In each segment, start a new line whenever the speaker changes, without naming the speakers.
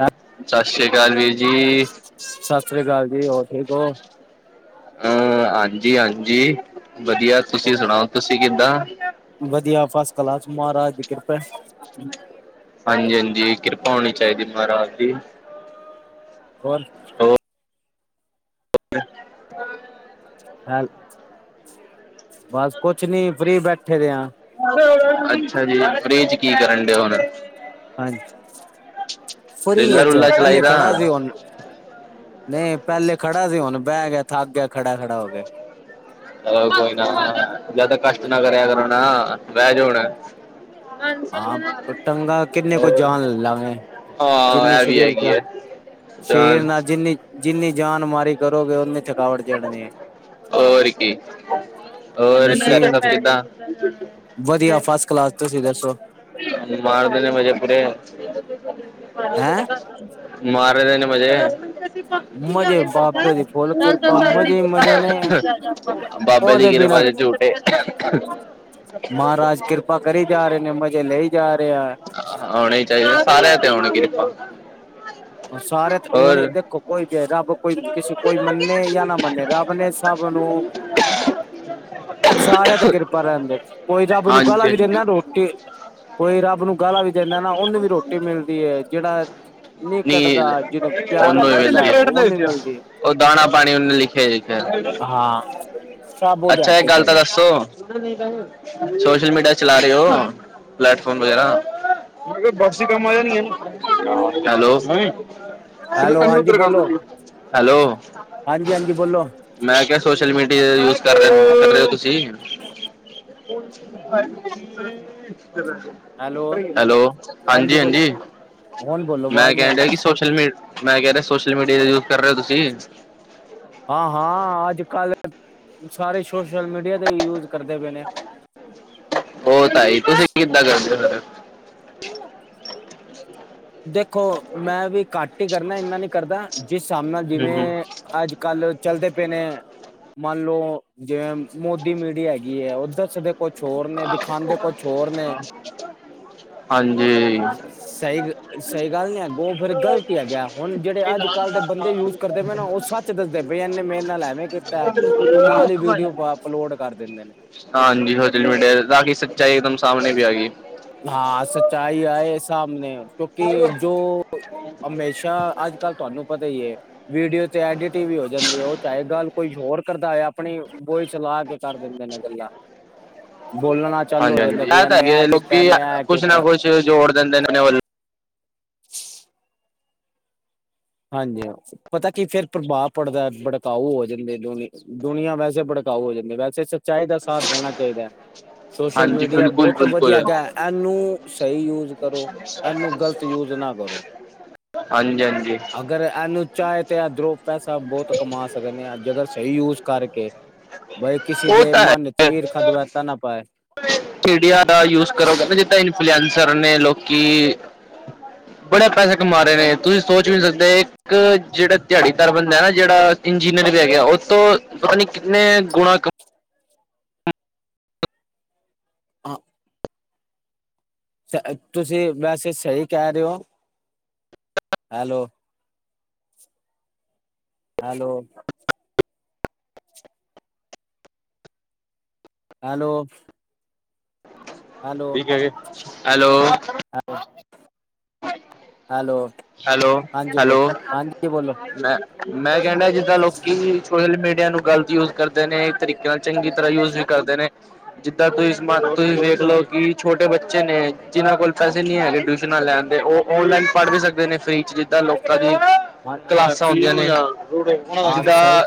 ਹਾਂ,
ਸਤਿ ਸ੍ਰੀ ਅਕਾਲ ਵੀਰ ਜੀ,
ਸਤਿ ਸ੍ਰੀ ਅਕਾਲ ਜੀ ਹੋਰ ਠੀਕ ਹੋ?
ਹਹ ਹਾਂਜੀ-ਹਾਂਜੀ ਵਧੀਆ, ਤੁਸੀਂ ਸੁਣਾਓ ਤੁਸੀਂ ਕਿੱਦਾਂ?
ਵਧੀਆ ਫਸ ਕਲਾਸ ਮਹਾਰਾਜ ਦੀ ਕਿਰ
ਹਾਂਜੀ-ਹਾਂਜੀ ਕਿਰਪਾ ਹੋਣੀ ਚਾਹੀਦੀ ਮਹਾਰਾਜ ਦੀ,
ਹੋਰ,
ਹ
ਹੈ ਬਸ ਕੁਛ ਨੀ ਫਰੀ ਬੈਠੇ ਦੇ ਆ।
ਅੱਛਾ ਜੀ ਫਰੀ ਚ ਕੀ ਕਰਨ ਡੇ ਔ ਹੁਣ, ਰੇਲਾ
ਫਰੀ ਚ
ਰੂਲਾ ਚਲਾਈ
ਪਹਿਲੇ
ਦਾ
ਖੜਾ ਸੀ ਹੁਣ, ਨਹੀਂ ਪਹਿਲੇ ਖੜਾ ਸੀ ਹੁਣ ਬਹਿ ਗਿਆ ਥਾ ਗਿਆ ਖੜਾ-ਖੜਾ ਹੋ ਕੇ,
ਚਲੋ ਕੋਈ ਨਾ ਜਿਆਦਾ ਕਸ਼ਟ ਨਾ ਕਰਿਆ ਕਰੋ ਨਾ ਬਹਿ ਜੋ ਹੁਣ ਹੋਰ
ਹਾਂ ਟੰਗਾ ਕਿੰਨੇ ਕੁ ਜਾਨ ਲਾਵੇ
ਹਾਂ
ਜਿੰਨੀ
ਇਹ ਵੀ
ਸਰੀਰ
ਹੈਗੀ
ਜਾ
ਐਂ।
ਸਰੀਰ ਨਾਲ ਜਿੰਨੀ ਜਿੰਨੀ ਜਾਨ ਮਾਰੀ ਕਰੋਗੇ ਓਨੀ ਥੱਕ
ਹੋਰ ਕੀ ਹੋਰ ਘਰ
ਮਸ਼ੀਨ
ਸਭ
ਚ
ਕਿਦਾਂ।
ਵਧੀਆ ਫਸਟ ਕਲਾਸ ਤੁਸੀਂ ਦੱਸੋ
ਮਾਰ ਦੇਣੇ ਮਜੇ ਪੁਰੇ
ਹੈਂ
ਮਾਰੇ ਦੇ ਨੇ ਮਜੇ
ਮਜ਼ੇ ਬਾਬੇ ਦੀ ਫੁੱਲ ਕਿਰਪਾ ਮਜ਼ੇ ਹੀ ਮਜ਼ੇ ਨੇ
ਬਾਬੇ ਦੀ
ਉਹਦੇ
ਕਿਰਪਾ
ਬਿਨਾਂ
ਤੇ ਝੂਠੇ
ਮਹਾਰਾਜ ਕਿਰਪਾ ਕਰੀ ਜਾ ਰਹੇ ਨੇ ਮਜ਼ੇ ਲੈਈ ਜਾ ਰਹੇ ਆ।
ਆਉਣੇ ਹੀ ਚਾਹੀਦਾ ਸਾਰਿਆਂ ਤੇ ਆਉਣ ਕਿਰਪਾ
ਸਾਰੇ
ਹੋਰ
ਤਗਣੀ ਦੇਖੋ ਕੋਈ ਤੇ ਰੱਬ ਕੋਈ ਕਿਸੇ ਕੋਈ ਮੰਨੇ ਜਾਂ ਨਾ ਮੰਨੇ ਰੱਬ ਨੇ ਸਭ ਨੂੰ ਸ ਹਾ ਤੇ ਕਿਰਪਾ ਰਹਿੰਦੇ ਕੋਈ ਰੱਬ ਨੂੰ ਗਾਲਾ
ਹਾਂਜੀ
ਵੀ
ਹਾਂਜੀ
ਦਿੰਦਾ ਰੋਟੀ ਕੋਈ ਰੱਬ ਨੂੰ ਗਾਲਾ ਵੀ ਦਿੰਦਾ ਨਾ ਉਹਨੂੰ ਵੀ ਰੋਟੀ ਮਿਲਦੀ ਹੈ ਜਿਹੜਾ
[unintelligible]
ਨਹੀਂ ਕੱਟਦਾ ਜਿਹਨੂੰ ਪਿਆਰ ਕਰਦਾ
[unintelligible]
ਉਹਨੂੰ ਮਿਲਦੀ,
ਉਹ ਦਾਣਾ ਪਾਣੀ ਉਹਨੇ ਲਿਖਿਆ-ਲਿਖਿਆ
ਹਾਂ ਸਭ ਉਹਦੇ
ਅੱਛਾ
ਹੱਥ
ਇੱਕ
ਚ
ਗੱਲ ਤਾਂ
ਹੈਗਾ
ਦੱਸੋ, ਸੋਸ਼ਲ ਮੀਡੀਆ ਚਲਾ ਰਹੇ ਹੋ ਪਲੇੈਟਫਾਰਮ ਵਗੈਰਾ, ਬਕਸੀ ਕੰਮ ਆ ਜਾਣੀ ਹੈ ਹੈਲੋ,
ਹੈਲੋ ਹਾਂਜੀ ਬੋਲੋ
ਹੈਲੋ,
ਹਾਂਜੀ ਹਾਂਜੀ ਬੋਲੋ
ਮੈਂ ਕਿਹਾ ਸੋਸ਼ਲ ਮੀਡੀਆ ਯੂਜ ਕਰ ਰਹੇ‌ ਹੋ, ਜੀ।
ਹੈਲੋ
ਹੈਲੋ,
ਹਾਂਜੀ ਬੋਲ
ਹਾਂਜੀ-ਹਾਂਜੀ।
ਹੁਣ ਬੋਲੋ
ਮੈਂ
ਆਵਾਜ਼ ਨੀ ਆ
ਕਹਿਣ ਡਹਾ ਕਿ
ਰਹੀ
ਸੋਸ਼ਲ ਮੀ, ਮੈਂ ਕਹਿ ਰਿਹਾ ਸੋਸ਼ਲ ਮੀਡੀਆ ਦਾ ਯੂਜ ਕਰ ਰਹੇ ਹੋ ਤੁਸੀਂ
ਹਾਂ ਹਾਂ ਅੱਜ-ਕੱਲ। ਸਾਰੇ ਸੋਸ਼ਲ ਮੀਡੀਆ ਤੇ ਯੂਜ ਕਰਦੇ ਪਏ ਨੇ
ਉਹ ਤਾਂ ਹੀ ਤੁਸੀਂ ਕਿੱਦਾਂ [unintelligible]
ਦੇਖ ਦੇਖੋ ਮੈਂ ਵੀ ਘੱਟ ਹੀ ਕਰਨਾ ਇੰਨਾ ਨੀ ਕਰਦਾ ਜਿਸ ਹਿਸਾਬ ਨਾਲ,
ਫਿਰ ਹੂੰ ਹੂੰ
ਜਿਵੇਂ ਅੱਜ ਕੱਲ ਚਲਦੇ ਨੇ ਮੰਨ ਲਓ ਜਿਵੇਂ ਮੋਦੀ ਮੀਡੀਆ ਹੈਗੀ ਹੈ ਉੱਧਰ ਸਧ ਕੁਛ ਹੋਰ ਨੇ ਦਿਖਾਦੇ ਕੁਛ ਹੋਰ ਨੇ,
ਹਾਂਜੀ
ਸਹੀ ਸਹੀ ਗੱਲ ਨੀ ਹੈ ਉਹ ਫੇਰ ਗਲਤ ਹੈਗਾ ਹੁਣ ਜਿਹੜੇ ਅੱਜ ਕੱਲ੍ਹ ਦੇ ਬੰਦੇ ਯੂਜ ਕਰਦੇ ਪਏ ਨਾ ਉਹ ਸੱਚ ਦੱਸਦੇ ਪਏ। ਇਹਨੇ ਮੇਰੇ ਨਾਲ ਐਵੇਂ ਕੀਤਾ ਉਹ ਨਾਲ ਹੀ ਵੀਡੀਓ ਅਪਲੋਡ ਕਰ ਦਿੰਦੇ ਨੇ
ਹਾਂਜੀ ਸੋਸ਼ਲ ਮੀਡੀਆ ਬਾਕੀ ਸੱਚਾਈ ਇੱਕਦਮ ਸਾਹਣੇ ਵੀ ਆਏਗੀ।
ਸਾਮਣੇ ਕਿਉਂਕਿ ਜੋ ਹਮੇਸ਼ਾ ਅੱਜ ਕੱਲ ਤੁਹਾਨੂੰ ਪਤਾ ਹੀ ਹੈ ਵੀਡੀਓ ਤੇ ਐਡਿਟਿੰਗ ਵੀ ਹੋ ਜਾਂਦੀ ਹੈ ਉਹ ਚਾਹੇ ਗੱਲ ਕੋਈ ਹੋਰ ਕਰਦਾਇਏ ਆਪਣੀ ਬੋਈ ਚਲਾ ਕੇ ਕਰ ਦਿੰਦੇ ਨੇ ਗੱਲਾਂ ਬੋਲਣਾ ਚਾਲੂ
ਹਾਂਜੀ
ਹੋ
ਹਾਂਜੀ
ਜਾਂਦਾ
ਇਹ
ਬਈ
ਤਾਂ
ਇਹਨੇ
ਹੈਗੇ
ਇਹ ਕੀਤਾ
ਲੋਕੀ
ਇਨੇ ਐ
ਕੁਛ ਨਾ
ਕੀਤਾ।
ਕੁਛ ਜੋੜ ਦਿੰਦੇ ਨੇ ਆਪਣੇ ਵੱਲ
ਹਾਂਜੀ ਪਤਾ ਕੀ ਫਿਰ ਪ੍ਰਭਾਵ ਪੜਦਾ ਭੜਕਾਊ ਹੋ ਜਾਂਦੇ ਦੁ ਦੁਨੀਆਂ ਵੈਸੇ ਬੜ ਕਾਓ ਹੋ ਜਾਂਦੇ ਵੈਸੇ ਸੱਚਾਈ ਦਾ ਸਾਥ ਦੇਣਾ ਚਾਹੀਦਾ ਹੈ। ਸੋਸ਼ਲ
ਹਾਂਜੀ
ਮੀਡੀਆ
ਬਿਲਕੁਲ
ਬਹੁਤ ਵਧੀਆ
ਬਿਲਕੁਲ
ਹੈਗਾ ਇਹਨੂੰ ਸਹੀ ਯੂਜ ਕਰੋ ਇਹਨੂੰ ਗ਼ਲਤ ਯੂਜ ਨਾ ਨਾ ਕਰੋ।
ਹਾਂਜੀ-ਹਾਂਜੀ।
ਅਗਰ ਇਹਨੂੰ ਚਾਹੇ ਤੇ ਇਧਰੋਂ ਪੈਸਾ ਬਹੁਤ ਕਮਾ ਸਕਦੇ ਆ, ਜੇ ਅਗਰ ਸਹੀ ਯੂਜ ਕਰਕੇ ਬਾਈ ਕਿਸੀ
ਉਹ
ਦੇ
ਤਾਂ
ਮਨ ਚ
ਹੈ
ਈਰਖਾ ਦਵੈਸਾ ਨਾ ਪਾਏ।
ਮੀਡੀਆ ਦਾ ਯੂਜ ਕਰੋ ਕਹਿੰਦਾ ਜਿੱਦਾਂ ਇਨਫਲੂਐਂਜ਼ਰ ਨੇ ਲੋਕੀ ਬੜੇ ਪੈਸੇ ਕਮਾ ਰਹੇ ਨੇ ਤੁਸੀਂ ਸੋਚ ਵੀ ਨਹੀਂ ਸਕਦੇ ਇੱਕ ਜਿਹੜਾ ਦਿਹਾੜੀ ਦਾਰ ਬੰਦਾ ਨਾ ਜਿਹੜਾ ਇੰਜੀਨੀਅਰ ਵੀ ਹੈਗੇ ਆ ਉਹ ਤੋਂ ਪਤਾ ਨਹੀਂ ਕਿੰਨੇ ਗੁਨਾ
ਹਾਂ। ਤੁਸੀਂ ਵੈਸੇ ਸਹੀ ਕਹਿ ਰਹੇ ਹੋ। ਹੈਲੋ। ਹੈਲੋ ਹੈਲੋ
ਠੀਕ ਹੈ ਹੈਲੋ
ਆ
ਹੈਲੋ
ਹਾਂਜੀ ਬੋਲ
ਹੈਲੋ
ਹਾਂਜੀ ਬੋਲੋ
ਮੈਂ ਮੈਂ ਕਹਿੰਣਾ ਜਿੱਦਾਂ ਲੋਕੀ ਸੋਸ਼ਲ ਮੀਡੀਆ ਨੂੰ ਗ਼ਲਤ ਯੂਜ ਕਰਦੇ ਨੇ ਤਰੀਕੇ ਨਾਲ ਚੰਗੀ ਤਰ੍ਹਾਂ ਯੂਜ ਵੀ ਕਰਦੇ ਨੇ ਜਿੱਦਾਂ ਤੁਸੀਂ ਤੁਸੀਂ ਵੇਖ ਦੇਖ ਲਓ ਕਿ ਛੋਟੇ ਬੱਚੇ ਨੇ ਜਿਨਾਂ ਕੋਲ ਪੈਸੇ ਨੀ ਹੈਗੇ ਟਿਊਸ਼ਨਾਂ ਲੈਣ ਤੇ ਉਹ ਔਨਲਾਈਨ ਪੜ੍ਹ ਵੀ ਸਕਦੇ ਨੇ ਫ੍ਰਰੀ ਚ ਜਿੱਦਾਂ ਲੋਕਾਂ ਦੀ
ਹਾਂ
ਕਲਾਸਾਂ ਹੁੰਂਦੀਆਂ ਨੇ
ਹਾਂ
ਜਿੱਦਾਂ
ਸਹੀ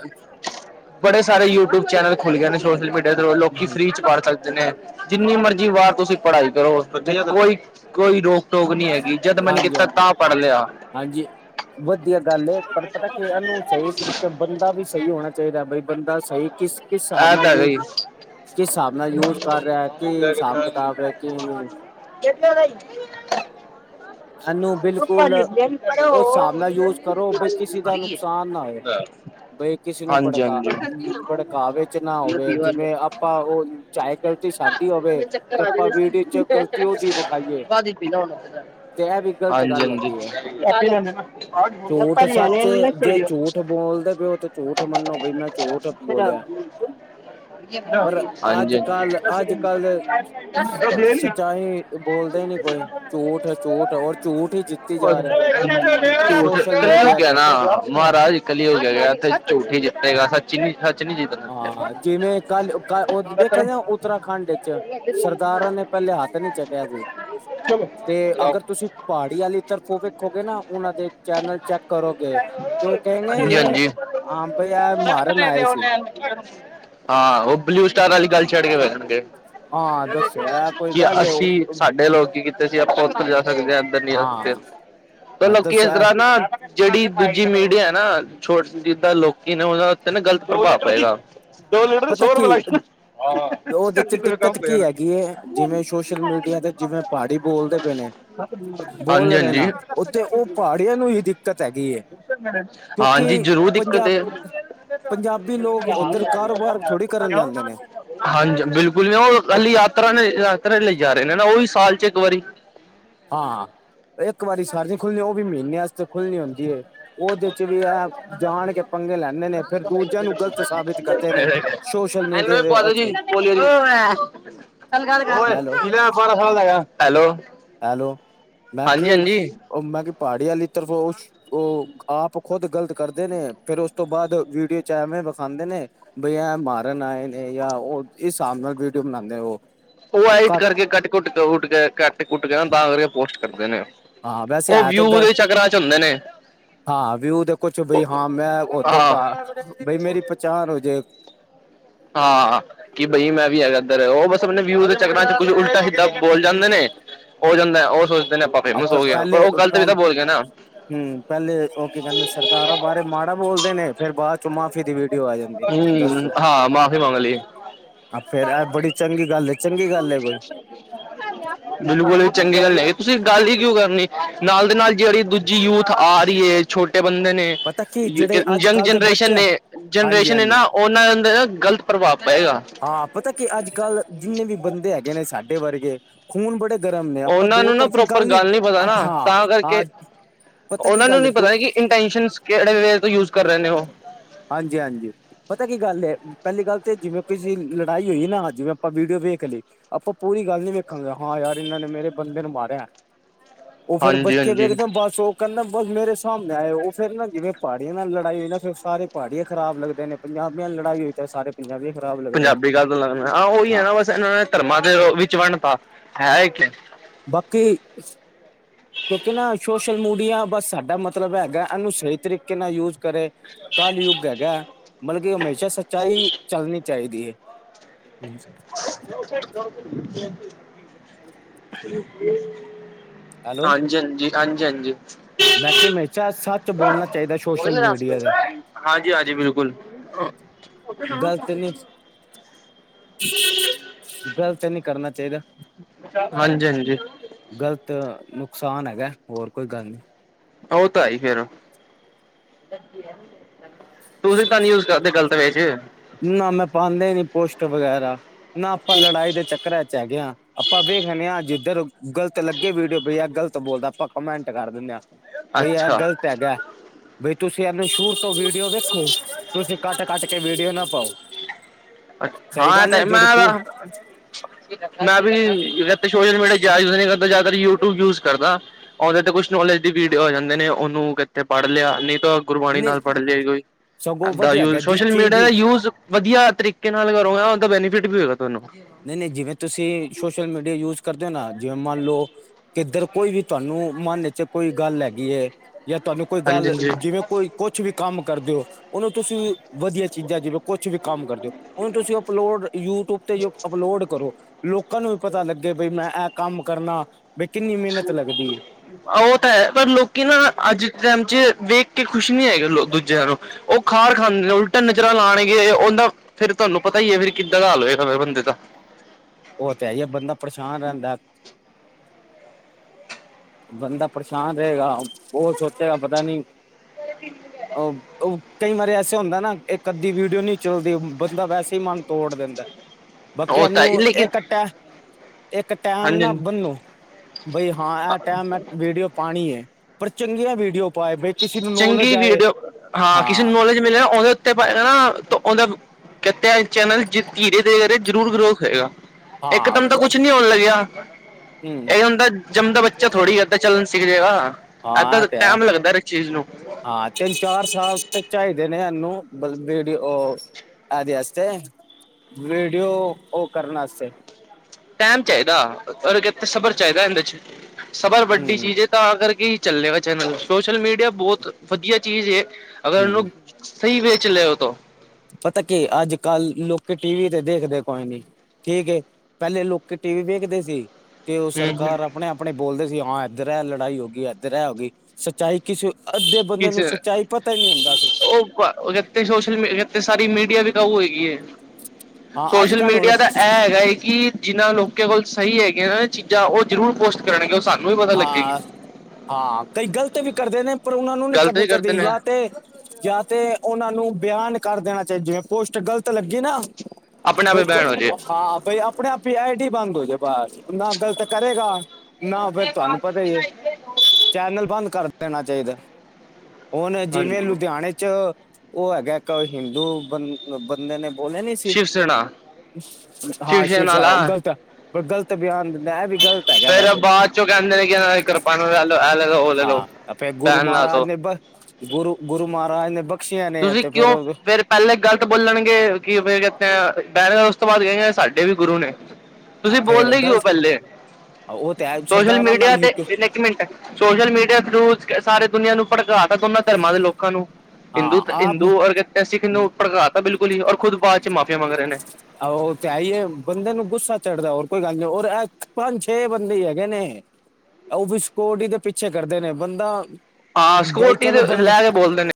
ਬੜੇ ਸਾਰੇ ਯੂਟਿਊਬ ਚੈਨਲ ਖੁੱਲਗੇ ਨੇ ਸੋਸ਼ਲ ਮੀਡੀਆ ਥਰੂ ਲੋਕ ਫਰੀ ਚ ਭਰ ਸਕ ਨੇ ਜਿੰਨੀ ਮਰਜ਼ੀ ਬਾਹਰ ਤੁਸੀਂ ਪੜ੍ਹਾਈ ਕਰੋ ਉਸ ਕੋਈ ਕੋਈ ਰੋਕ ਟੋਕ ਨਹੀਂ ਹੈਗੀ ਜਦ ਮਨ
ਹਾਂਜੀ
ਕੀਤਾ
ਹਾਂਜੀ
ਤਾਂ ਪੜ੍ਹ ਲਿਆ
ਹਾਂਜੀ ਵਧੀਆ ਗੱਲ ਪਰ ਪਤਾ ਕੀ ਇਹਨੂੰ ਸਹੀ ਤਰੀਕੇ ਬੰਦਾ ਵੀ ਸਹੀ ਹੋਣਾ ਚਾਹੀਦਾ ਬਈ ਬੰਦਾ ਸਹੀ ਕਿਸ ਕਿਸ ਹਿਸਾਬ
ਐ
ਨਾਲ
ਤਾਂ
ਯੂਜ
ਗਈ
ਕਿਸ ਹਿਸਾਬ ਨਾਲ ਯੂਜ ਕਰ ਰਿਹਾ ਕਿ
ਹਾਂਜੀ
ਹਿਸਾਬ ਕਿਤਾਬ ਹੈ ਕਿ ਨਹੀਂ
[unintelligible]
ਸਾਨੂੰ ਬਿਲਕੁਲ ਉਸ ਹਿਸਾਬ ਨਾਲ ਯੂਜ ਕਰੋ ਬੀ ਕਿਸੇ ਦਾ ਨੁਕਸਾਨ ਨਾ ਹੋਏ। ਬਈ ਕਿਸੇ ਨੂੰ
ਹਾਂਜੀ ਹਾਂਜੀ
ਭੜਕਾ ਭੜਕਾਵੇ ਚ ਨਾ ਹੋਵੇ ਜਿਵੇਂ ਆਪਾਂ ਉਹ ਚਾਹਕ ਸਾਡੀ ਹੋਵੇ ਤੇ ਆਪਾਂ ਵੀਡੀਓ ਚ ਗ਼ਲਤੀ ਉਹਦੀ ਵਿਖਾਈਏ ਗਲਤ ਗੱਲ
ਹਾਂਜੀ
ਹੈਗੀ ਹੈ
ਹਾਂਜੀ
ਝੂਠ ਸੱਚ ਜੇ ਝੂਠ ਬੋਲਦੇ ਪਓ ਝੂਠ ਮੰਨ ਭਾਈ ਮੈਂ ਝੂਠੁ ਬੋਲਿਆ ਪਰ ਅੱਜ ਕੱਲ ਅੱਜ ਕੱਲ
ਹਾਂਜੀ
ਸੱਚਾਈ ਬੋਲਦੇ ਨੀ ਕੋਈ ਝੂਠ ਹੈ ਝੂਠ ਔਰ ਝੂਠ ਹੀ ਜਿੱ
ਝੂਠ [unintelligible] ਹੋ
ਮੀਡੀਆ
ਗਿਆ
ਤੇ
ਨਾ ਮਹਾਰਾਜ ਇੱਕ ਲਈ ਹੋ ਗਿਆ ਤੇ ਝੂਠ ਹੀ ਜਿੱਤੇਗਾ ਸੱਚੀ ਨੀ
ਹਾਂ ਜਿਵੇਂ ਕੱਲ ਕੱਲ ਉਹ ਵੇਖਿਆ ਸੀ ਨਾ ਉੱਤਰਾਖੰਡ ਵਿੱਚ ਸਰਦਾਰਾਂ ਨੇ ਇਕੱਲੇ ਹੱਥ ਨੀ ਚੱਕਿਆ ਸੀ
ਚਲੋ
ਤੇ
ਚਲਾਓ
ਅਗਰ ਤੁਸੀਂ ਪਹਾੜੀ ਵਾਲੀ ਤਰਫੋਂ ਵੇਖੋਗੇ ਨਾ ਉਹਨਾਂ ਦੇ ਚੈਨਲ ਚੈੱਕ ਕਰੋਗੇ ਜੋ ਕਹੇਗੇ
ਹਾਂਜੀ
ਜੇ
ਹਾਂਜੀ
ਹਾਂ ਬਈ ਆ ਮਾਰਨ ਆਏ ਸੀ
ਹਾਂ ਉਹ ਬਲੂ ਸਟਾਰ ਵਾਲੀ ਗੱਲ ਛੇੜ ਕੇ ਬਹਿ ਜਾਣਗੇ
ਹਾਂ ਦੱਸੋ ਇਹ ਕੋਈ
ਕਿ
ਗੱਲ ਹੈ।
ਅਸੀਂ ਸਾਡੇ ਲੋਕੀ ਕਿ ਤੇ ਅਸੀਂ ਆਪਾਂ ਉੱਥੇ ਜਾ ਸਕਦੇ ਹਾਂ ਅੰਦਰ ਨਹੀਂ ਆ
ਹਾਂ
ਸਕਦੇ ਤੇ
ਹਾਂ
ਲੋਕੀ
ਦੱਸੋ
ਇਸ
ਇਹ
ਤਰ੍ਹਾਂ ਨਾ ਜਿਹੜੀ ਦੂਜੀ ਮੀਡੀਆ ਨਾ, ਛੋਟ ਜਿੱਦਾਂ ਲੋਕੀ ਨੇ ਉਹ ਉੱਤੇ ਨਾ ਗ਼ਲਤ ਪ੍ਰਭਾਵ ਪਏਗਾ। ਦੋ ਲੀਟਰ ਦੀ
ਪਤਾ ਕੀ,
ਰੁਪਏ ਲੱਗ ਜਾਣਾ
ਉਹਦੇ ਚ
ਜਲਦੀ ਤੋਂ
ਦਿੱਕਤ
ਕੰਮ ਹੋ
ਕੀ
ਜਾਣਾ
ਹੈਗੀ! ਜਿਵੇਂ ਸੋਸ਼ਲ ਮੀਡੀ ਆ ਤੇ ਜਿਵੇਂ ਪਹਾੜੀ ਬੋਲਦੇ ਪਏ ਨੇ। ਬੋਲ
ਹਾਂਜੀ
ਰਹੇ ਨਾ
ਹਾਂਜੀ
ਉੱਥੇ ਉਹ ਪਹਾੜੀਆਂ ਨੂੰ ਹੀ ਦਿੱਕਤ ਹੈਗੀ ਹੈ।
ਹਾਂਜੀ
ਕਿਉਂਕਿ
ਜਰੂਰ ਦਿੱਕਤ।
ਪੰਜਾਬ ਪੰਜਾਬੀ ਲੋਕ ਉੱਧਰ ਕਾਰੋਬਾਰ ਥੋੜ੍ਹੀ ਕਰਨ ਜਾਂਦੇ ਨੇ
ਹਾਂਜੀ! ਬਿਲਕੁਲ ਨਹੀਂ, ਉਹ ਹੀ ਯਾਤਰਾ ਯਾਤਰਾ ਲਈ ਜਾ ਰਹੇ ਨੇ ਨਾ ਉਹੀ ਸਾਲ ਸਾਲ ਚ ਇੱਕ ਵਾਰੀ
ਹਾਂ! ਇੱਕ ਵਾਰੀ ਸਾਰੀਆਂ ਖੁੱਲਣੀਆਂ ਉਹ ਵੀ ਮਹੀਨੇ ਵਾਸਤੇ ਖੁੱਲਣੀ ਹੁੰਦੀ ਹੈ। ਉਹਦੇ ਚ ਵੀ ਆ ਜਾਣ ਕੇ ਪੰਗੇ ਲੈਂਦੇ ਨੇ, ਫਿਰ ਦੂਜਿਆਂ ਨੂੰ ਗ਼ਲਤ ਸਾਬਿਤ ਕਰਦੇ ਨੇ। ਸੋਸ਼ਲ
ਐ ਨੂੰ ਵੀ
ਮੀਡੀਆ ਦੇ
ਪਵਾ ਦੋ ਜੀ
ਅਥਰੂ
ਪੋਲੀਓ।
Hello
[unintelligible] hello!
ਹੈਲੋ, ਮੈਂ
ਹਾਂਜੀ
ਕਿ
ਹਾਂਜੀ
ਉਹ ਮੈਂ ਕਿਹਾ ਪਹਾੜੀ ਵਾਲੀ ਤਰਫ ਉਹ ਆਪ ਖੁਦ ਗ਼ਲਤ ਕਰਦੇ ਨੇ, ਫੇਰ ਉਸ ਤੋਂ ਬਾਅਦ ਵੀਡੀਓ ਚ ਐਵੇਂ ਵਿਖਾਉਂਦੇ ਨੇ। ਮਾਰਨ ਆਏ ਨੇ ਜਾਂ ਉਹ ਇਸ ਹਿਸਾਬ ਨਾਲ ਵੀਡੀਓ ਬਣਾਉਂਦੇ ਉਹ
ਉਹ ਆਈਟ
ਘੱਟ
ਕਰਕੇ ਕੱਟ ਕੇ ਕੁੱਟ ਕੇ ਉੱਟ ਕੇ ਕੱਟ ਕੁੱਟ ਕੇ ਨਾ ਤਾਂ ਕਰ ਪੋਸਟ ਕਰਦੇ ਨੇ
ਹਾਂ ਵੈਸੇ
ਉਹ
ਹੈ ਤੇ
ਵਿਊ
ਗਲ
ਦੇ ਚਕਰਾਂ ਚ ਹੁੰਦੇ ਨੇ,
ਹਾਂ ਵਿਊ ਤੇ ਕੁਛ ਬਈ ਹਾਂ ਮੈਂ ਉੱਥੇ
ਹਾਂ
ਬਈ ਮੇਰੀ ਪਚਾਣ ਹੋਜੇ,
ਹਾਂ, ਕਿ ਬਈ ਮੈਂ ਵੀ ਹੈਗਾ ਇੱਧਰ ਉਹ। ਸਣੇ ਵਿਊ ਦੇ ਚੱਕਰਾਂ ਚ ਕੁੱਝ ਉਲਟਾ ਹਿੱਦਾਂ ਬੋਲ ਜਾਂਦੇ ਨੇ ਹੋ ਜਾਂਦਾ ਹੈ, ਉਹ ਸੋਚ ਆਪਾਂ ਫੇਮਸ ਹੋ ਗਿਆ, ਪਰ
ਪਹਿਲੇ
ਉਹ ਗਲਤ ਵੀ
ਪਹਿਲ
ਤਾਂ ਬੋਲ ਗਿਆ ਨਾ।
ਹੂੰ, ਪਹਿਲੇ ਉਹ ਕੀ ਕਹਿੰਦੇ ਸਰਦਾਰਾਂ ਬਾਰੇ ਮਾੜਾ ਬੋਲਦੇ ਨੇ ਫੇਰ ਬਾਅਦ ਚ ਮਾਫ਼ੀ ਦੀ ਆ ਜਾਂਦੀ
ਹਮ
ਦੱਸੋ
ਹਾਂ ਮਾਫ਼ੀ ਮੰਗ ਲਈ
ਆ ਫੇਰ ਇਹ ਬੜੀ ਚੰਗੀ ਗੱਲ ਹੈ ਚੰ
ਬਿਲਕੁਲ ਵੀ ਚੰਗੀ ਗੱਲ ਹੈ। ਤੁਸੀਂ ਗੱਲ ਹੀ ਕਿਉਂ ਕਰਨੀ ਨਾਲ ਦੇ ਨਾਲ ਜਿਹੜੀ ਦੂਜੀ ਯੂਥ ਆ ਰਹੀ ਹੈ ਛੋ ਬੰਦੇ ਨੇ
ਪਤਾ ਕੀ ਜਿਹੜੇ ਅੱਜ
ਯੰਗ
ਕੱਲ੍ਹ ਦੇ
ਜਨਰੇਸ਼ਨ
ਬੱਚੇ ਆ
ਨੇ
ਹਾਂਜੀ
ਜਨਰੇਸ਼ਨ ਨੇ
ਹਾਂਜੀ
ਨਾ ਉਹਨਾਂ ਅੰਦਰ ਗਲਤ ਪ੍ਰਭਾਵ ਪਏਗਾ
ਹਾਂ, ਪਤਾ ਕੀ ਅੱਜ-ਕੱਲ੍ਹ ਜਿੰਨੇ ਵੀ ਬੰਦੇ ਹੈਗੇ ਨੇ ਸਾਡੇ ਵਰਗੇ ਖੂਨ ਬੜੇ ਗਰਮ ਨੇ ਆਪਾਂ
ਉਹਨਾਂ
ਦੋ
ਨੂੰ ਨਾ
ਤਰਫ਼ੇ
ਪ੍ਰੋਪਰ
ਗੱਲ ਨੀ ਆਪ ਹਾਂ, ਹਾਂ, ਪਤਾ
ਉਹ
ਕੀ
ਨੂੰ
ਗੱਲ ਹੈ
ਨੀ
ਦੋ
ਪਤਾ ਕਿ ਇੰਟੈਸ਼ਨ ਕਿਹੜੇ ਵੇ ਤੋਂ ਯੂਜ ਕਰ ਰਹੇ ਨੇ ਉਹ।
ਹਾਂਜੀ-ਹਾਂਜੀ, ਪਤਾ ਕੀ ਗੱਲ ਹੈ ਪਹਿਲੀ ਗੱਲ ਤੇ ਜਿਵੇਂ ਕਿਸ ਲੜਾਈ ਹੋਈ ਨਾ, ਜਿਵੇਂ ਆਪਾਂ ਵੀਡੀਓ ਵੇਖ ਲਈ ਆਪਾਂ ਪੂਰੀ ਗੱਲ ਨੀ ਵੇਖਾਂਗੇ ਹਾਂ ਯਾਰ ਇਹਨਾਂ ਨੇ ਮੇਰੇ ਬੰਦੇ ਨੂੰ ਮਾਰਿਆ। ਉਹ ਫੇਰ
ਹਾਂਜੀ
ਬੱਚੇ
ਹਾਂਜੀ
ਵੇਖਦ ਬਸ ਉਹ ਕਹਿੰਦਾ ਬਸ ਮੇਰੇ ਸਾਹਮਣੇ ਆਏ। ਉਹ ਫਿਰ ਨਾ ਜਿਵੇਂ ਪਹਾੜੀਆਂ ਨਾਲ ਲੜਾਈ ਹੋਈ ਨਾ ਫਿਰ ਸਾਰੇ ਪਹਾੜੀਆਂ ਖਰਾਬ ਲੱਗਦੇ ਨੇ, ਪੰਜਾਬੀਆਂ ਲੜਾਈ ਹੋਈ ਤੇ ਸਾਰੇ ਪੰਜਾਬੀਆਂ
ਪੰਜਾਬੀ ਗੰਦ ਲੱਗਣਾ ਹਾਂ ਉਹੀ ਹੈ ਨਾ ਬਸ ਇਹਨਾਂ ਨੇ ਧਰਮਾਂ ਦੇ ਵਿੱਚ ਵੰਡ ਪਾਤੀ ਹੈ ਇੱਕ
ਬਾਕੀ ਕਿਉਂਕਿ ਨਾ ਸੋਸ਼ਲ ਮੀਡੀ ਬਸ ਸਾਡਾ ਮਤਲਬ ਹੈਗਾ ਇਹਨੂੰ ਸਹੀ ਤਰੀਕੇ ਨਾਲ ਯੂਜ ਕਰੇ। ਕਾਲ ਯੁੱਗ ਹੈਗਾ। ਮਤਲਬ ਹਮੇਸ਼ਾ ਸੱਚਾਈ ਚੱਲਣੀ ਚਾਹੀਦੀ ਹੈ
ਠ
ਹੈਲੋ ਮੈਂ ਕਿ ਹਮੇਸ਼ਾ ਸੱਚ ਬੋਲਣਾ ਚਾਹੀਦਾ ਸੋਸ਼ਲ
ਹਾਂਜੀ-ਹਾਂਜੀ-ਹਾਂਜੀ-ਹਾਂਜੀ,
ਮੀਡੀਆ ਦਾ
ਹਾਂਜੀ-ਹਾਂਜੀ ਬਿਲਕੁਲ।
ਗ਼ਲਤ ਨੀ, ਗਲਤ ਨਹੀਂ ਕਰਨਾ ਚਾਹੀਦਾ।
ਹਾਂਜੀ-ਹਾਂਜੀ,
ਗ਼ਲਤ ਨੁਕਸਾਨ ਹੈਗਾ, ਹੋਰ ਕੋਈ ਗੱਲ ਨੀ।
ਉਹ ਤਾਂ ਆਈ ਫੇਰ ਤੁਸੀਂ ਤੁਹਾਨੂੰ ਯੂਜ ਕਰਦੇ ਗਲਤ ਵ ਚ।
ਨਾ ਮੈਂ ਪਾਦੇ ਨੀ ਪੋਸਟਾ ਵਗੈਰਾ, ਨਾ ਆਪਾਂ ਲੜਾਈ ਦੇ ਚੱਕਰਾਂ ਚ ਹੈਗੇ ਹਾਂ, ਆਪਾਂ ਵੇਖਦੇ ਹਾਂ ਜਿੱਧਰ ਗ਼ਲਤ ਲੱਗੇ ਵੀਡੀਓ ਪਈ ਜਾਂ ਗ਼ਲਤ ਬੋਲਦਾ ਆਪਾਂ ਕਮੈਂਟ ਕਰ ਦਿੰਦੇ ਹਾਂ ਬਈ ਇਹ
ਅੱਛਾ
ਗ਼ਲਤ ਹੈਗਾ ਬਈ ਤੁਸੀਂ ਤੁਂ ਇਹਨੂੰ ਸ਼ੂ ਤੋਂ ਵੀਡੀਓ ਦੇੇਖੋ ਤੁਸੀਂ ਕੱਟ-ਕੱਟ ਕੇ ਵੀਡੀਓ ਨਾ ਪਾਓ। ਸਹੀ
ਹਾਂ
ਗੱਲ
ਤੇ
ਨੇ
ਮੇ
ਜਿਹੜੀ ਪੂ
ਦਾ ਮੈਂ ਵੀ ਸੋਸ਼ਲ ਮੀਡੀਆ ਯੂਜ ਕਰਦਾ ਜਿਆਦਾਤਰ ਯੂਟਿਊਬ ਯੂਜ ਕਰਦਾ ਉਹਦੇ ਤੇ ਕੁਛ ਨੋਲੇਜ ਦੀ ਵੀਡੀਓ ਆ ਜਾਂਦੇ ਨੇ ਉਹਨੂੰ ਕਿੱਥੇ ਪੜ੍ਹ ਲਿਆ ਨਹੀਂ, ਗੁਰਬਾਣੀ
ਨਹੀਂ
ਨਾਲ ਪੜ੍ਹ ਲਏਗੀ
ਸਗੋਂ
ਈ
ਵਧੀਆ
ਯੂਜ
ਹੈਗਾ ਜਿਸ
ਸੋਸ਼ਲ ਮੀਡੀਆ
ਚੀਜ਼
ਦਾ
ਦੀ
ਯੂਜ ਵਧੀਆ ਤਰੀਕਾ, ਕਰੋਗਾ ਉਹਦਾ ਬੈਨੀਫਿਟ ਵੀ ਹੋਵੇਗਾ,
ਨਹੀਂ-ਨਹੀਂ ਜਿਵੇਂ ਤੁਸੀਂ ਸੋਸ਼ਲ ਮੀਡੀਆ ਯੂਜ ਕਰ, ਨਾ ਜਿਵੇਂ ਮੰਨ ਲਓ ਕਿੱਧਰ ਕੋਈ ਵੀ ਤੁਹਾਨੂੰ ਮਨ ਚ ਕੋਈ ਗੱਲ ਹੈਗੀ। ਜਾਂ ਤੁਹਾਨੂੰ ਕੋਈ
ਹਾਂਜੀ
ਗੱਲ
ਹਾਂਜੀ
ਜਿਵੇਂ ਕੋਈ ਕੁਛ ਵੀ ਕੰਮ, ਕਰਦੇ ਹੋ ਉਹਨੂੰ ਤੁਸੀਂ ਵਧੀਆ ਚੀਜ਼ਾਂ ਜਿਵੇ ਕੁਛ ਵੀ ਕੰਮ ਕਰਦੇ ਹੋ ਉਹਨੂੰ ਤੁਸੀਂ ਅਪਲੋਡ, ਯੂਟਿਊਬ ਤੇ ਜੋ ਅਪਲੋਡ ਕਰੋ ਲੋਕਾਂ ਨੂੰ ਵੀ ਪਤਾ ਲੱਗੇ ਬਈ ਮੈਂ ਇਹ ਕੰਮ ਕਰਨਾ, ਬਈ ਕਿੰਨੀ ਮਿਹਨਤ ਲੱਗਦੀ ਹੈ
ਉਹ ਤਾਂ ਹੈ ਪਰ ਲੋਕੀ ਨਾ ਅੱਜ, ਟਾਈਮ ਚ ਵੇਖ ਕੇ ਖੁਸ਼ ਨੀ ਹੈਗੇ ਦੂਜਿਆਂ ਨੂੰ ਉਹ ਖਾਰ ਖਾਂਦੇ ਉਲਟਾ ਨਜ਼ਰ ਲਾਉਣਗੇ ਉਹ, ਫੇਰ ਤੁਹਾਨੂੰ ਪਤਾ ਹੀ ਫਿਰ ਕਿੱਦਾਂ ਦਾ ਹਾਲ ਹੋਏ ਬੰਦੇ ਦਾ
ਉਹ ਤੇ ਹੈ ਜੇ ਬੰਦਾ ਪਰੇਸ਼ਾਨ ਰਹਿੰਦਾ। ਬੰਦਾ ਪਰੇਸ਼ਾਨ ਰਹੇਗਾ ਉਹ ਸੋਚੇਗਾ ਪਤਾ ਨੀ, ਉਹ ਉਹ ਕਈ ਮਰਿਆ ਸੀ, ਥ ਹੁੰਦਾ ਨਾ ਅੱਧੀ ਵੀਡੀਓ ਨਹੀਂ ਚੱਲਦੀ ਬੰਦਾ ਵੈਸੇ ਹੀ ਮਨ ਤੋੜ ਦਿੰਦਾ ਬਾਕੀ
ਹੋਤਾ ਹੈ
ਇਹਨੂੰ ਇਹ
ਲੇਕਿਨ
ਕੱਟਾ ਇੱਕ ਟੈਮ ਨਾ
ਹਾਂਜੀ
ਬਨੂੰ ਬਈ ਹਾਂ ਇਹ ਟੈਮ ਮੈਂ ਵੀਡੀਓ ਪਾਣੀ ਹੈ ਪਰ ਚੰਗੀਆਂ ਵੀਡੀਓ ਪਾਏ ਬ
ਚੰਗੀ ਵੀਡੀਓ ਹਾਂ ਕਿਸੇ ਨੂੰ ਨੌਲੇਜ ਮਿਲਿਆ ਉਹਦੇ ਉੱਤੇ ਹਨਾ ਉਹਦਾ ਕਹ ਚੈਨਲ ਜੇ ਧੀਰੇ ਦੇ ਕਰੇ ਜ਼ਰੂਰ ਵਿਰੋਧ ਹੋਏਗਾ
ਹਾਂ
ਇਕਦਮ ਤਾਂ ਕੁਛ ਨੀ ਹੋਣ ਲੱਗਿਆ
ਹਮ
ਇਕਦਮ ਤਾਂ ਜੰਮਦਾ ਬੱਚਾ ਥੋੜ੍ਹੀ ਏਦਾਂ ਚੱਲਣਾ ਸਿੱਖ ਜਾਏਗਾ
ਹਾਂ ਇਹ ਤੇ ਹੈ
ਟਾਈਮ ਲੱਗਦਾ ਚੀਜ਼ ਨੂੰ
ਹਾਂ ਚੱਲ ਚਾਰ ਸਾਲ ਤੱਕ ਚਾਹੀਦਾ ਦੇ ਨੇ ਹਨਨੂੰੜ ਉਹ ਆਦਿ ਵਸਤੇ ਵੀਡੀਓ ਓ ਕਰਨਾਸ
ਟੈਮ ਚਾਹੀਦਾ ਉਹ ਸਬਰ ਚਾਹੀਦਾ ਇਹਦੇ ਚ ਸਬਰ ਵੱਡੀ
ਹਮ
ਚੀਜ਼ ਹੈ ਤਾਂ ਅਗ ਕੀ ਚੱਲੇਗਾ ਚੈਨਲ ਸੋਸ਼ਲ ਮੀਡੀਆ ਬਹੁਤ ਵਧੀਆ ਚੀਜ਼ ਅਗਰ
ਹਮ
ਉਹਨੂੰ ਸਹੀ ਵੇਚ ਲਓ ਤਾਂ
ਪਤਾ ਕੀ ਅੱਜ ਕੱਲ੍ਹ ਲੋਕ ਟੀ ਵੀ ਤੇ ਦੇਖਦੇ ਕੋਈ ਨੀ ਠੀਕ ਏ ਪਹਿਲੇ ਲੋਕੀ ਟੀ ਵੀ ਵੇਖਦੇ ਸੀ। ਤੇ ਉਹ
ਹੂੰ ਹੂੰ
ਸਰਕਾਰ ਆਪਣੇ-ਆਪਣੇ ਬੋਲਦੇ ਸੀ ਹਾਂ ਇੱਧਰ ਹੈ ਲੜਾਈ ਹੋ ਗਈ ਇੱਧਰ ਇਹ ਹੋ ਗਈ ਸੱਚਾਈ ਕਿਸੇ, ਅੱਧੇ ਬੰਦੇ
ਕਿਸ
ਨੂੰ ਸੱਚਾਈ ਪਤਾ ਹੀ ਨਹੀਂ ਹੁੰਦਾ ਸੀ
ਉਹ-ਉਹ ਕ ਸੋਸ਼ਲ ਮੀਡੀਆ ਤੇ ਸਾਰੀ ਮੀਡੀਆ ਵੀਕਊ ਹੈਗੀ ਹੈ,
ਹਾਂ ਅੱਜ
ਸੋਸ਼ਲ
ਕੱਲ ਹੁਣ
ਮੀਡੀਆ ਤਾਂ ਇਹ ਹੈਗਾ ਹੈ ਕਿ ਜਿੰਨਾ ਲੋਕ ਕੋਲ ਸਹੀ ਹੈਗੀ। ਚੀਜ਼ਾਂ ਉਹ ਜ਼ਰੂਰ ਪੋਸਟ ਕਰਨਗੇ ਉਹ ਸਾਨੂੰ, ਵੀ ਪਤਾ ਲੱਗੇਗੀ
ਹਾਂ ਹਾਂ ਕਈ ਗਲਤ ਵੀ ਕਰਦੇ ਨੇ ਉੱਪਰ ਉਹਨਾਂ ਨੂੰ ਨ
ਗਲਤ
ਕਰਨੇ
ਹੀ ਕਰਦੇ
ਚਾਹੀਦੇ
ਨੇ
ਜਾਂ ਤੇ ਜਾਂ ਤੇ ਉਹਨਾਂ ਨੂੰ ਬਿਆਨ ਕਰ ਦੇਣਾ ਚਾਹੀਦਾ ਜਿਵੇਂ ਪੋਸਟ ਗਲਤ ਲੱਗੀ ਨਾ
ਆਪਣੇ
ਬ
ਆਪੇ ਬੈਨ ਹੋ ਜੇ
ਹਾਂ ਬਈ ਆਪਣੇ ਆਪ ਹੀ ਆਈ ਡੀ ਬੰਦ ਹੋ ਜਾਵੇ ਬਸ ਨਾ ਗ਼ਲਤ ਕਰੇਗਾ ਨਾ ਫਿਰ ਤੁਹਾਨੂੰ ਪਤਾ ਹੀ ਹੈ ਚੈਨਲ ਬੰਦ ਕਰ ਦੇਣਾ ਚਾਹੀਦਾ ਹੁਣ ਜਿਵੇਂ
ਹਾਂਜੀ
ਲੁਧਿਆਣੇ ਚ ਉਹ ਹੈਗਾ ਇੱਕ ਹਿੰਦੂ ਬੰ ਬੰਦੇ ਨੇ ਉਹਲਿਆ ਨੀ ਸੀ
ਸ਼ਿਵ ਸੈਨਾ ਸ਼ਿਵ
ਹਾਂ ਸ਼ੀਰ
ਸੈਨਾ ਵਾਲਾ
ਸਾਬ ਗ਼ਲਤ ਪਰ ਗ਼ਲਤ ਬਿਆਨ ਦਿੰਦਾ ਇਹ ਵੀ ਗ਼ਲਤ ਹੈਗਾ ਵੈਸੇ
ੰ ਕਰ ਪਾਨਣਾ
ਹਾਂ ਆਪ ਫੇ ਗੁਰੂ
ਦੋ
ਮਹਾਰਾਜ ਨੇ ਗੁਰੂ ਗੁਰੂ ਮਹਾਰਾਜ ਨੇ ਬਖਸ਼ੀਆਂ ਨੇ
ਤੁਸੀਂ
ਤੇ ਫੇਰ
ਕਿਉਂ ਫੇਰ ਪਹਿਲੇ ਗ਼ਲਤ ਬੋਲਣਗੇ ਕਿ ਫਿਰ ਇੱਥੇ ਬਹਿ ਉਸ ਤੋਂ ਬਾਅਦ ਗਏ ਸਾਡੇ ਵੀ ਗੁਰੂ ਨੇ ਤੁਸੀਂ
ਫੇਰ
ਬੋਲਦੇ ਕੀ ਹੋ
ਗ਼ਲਤ
ਪਹਿਲੇ
ਉਹ ਤੇ ਹੈ
ਸੋਸ਼ਲ
ਸਰਦਾਰਾਂ
ਮੀਡੀਆ
ਨਾਲ ਹੀ
ਤੇਨ, ਇੱਕ ਮਿੰਟ ਸੋਸ਼ਲ ਮੀਡੀਆ ਥਰੂ ਸਾਰੇ ਦੁਨੀਆਂ ਨੂੰ ਭੜਕਾ ਦੋਨਾਂ ਧਰਮਾਂ ਦੇ ਲੋਕਾਂ ਨੂੰ
ਹਾਂ ਆਪ
ਹਿੰਦੂ-ਹਿੰਦੂ ਔਰ ਸਿੱਖ ਭੜਕਾ ਬਿਲਕੁਲ ਰ, ਖੁਦ ਬਾਦ ਚ ਮਾੀਆ ਮੰਗ ਰਹੇ ਨੇ
ਆਹੋ ਤੇ, ਆਈਏ ਬੰਦੇ ਨੂੰ ਗੁੱਸਾ ਚੜਦਾ ਹੋਰ ਕੋਈ ਗੱਲ ਨੀ ਰ ਪੰਜ ਛੇ ਬੰਦੇ ਹੈਗੇ ਨੇ ਉਹ ਵੀ ਸਕਕੋਟੀ ਦੇ ਪਿੱਛੇ ਕਰਦੇ ਨੇ ਬੰਦਾ
ਹਾਂ,
ਬਈ
ਸਕੋਟੀ
ਚਲੋ
ਤੇ
ਬੰਦਾ
ਲੈ ਕੇ ਬੋਲਦੇ ਨੇ